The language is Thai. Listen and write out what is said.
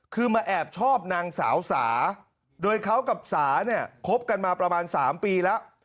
คือมาแอบชอบนางสาวสาโดยเขากับสาเนี่ยคบกันมาประมาณ๓ปีแล้ว